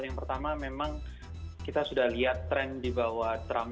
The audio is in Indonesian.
yang pertama memang kita sudah lihat tren di bawah trump